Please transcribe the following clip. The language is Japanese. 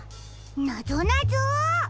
なぞなぞ？